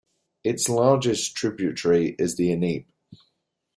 Its largest tributary is the Ennepe.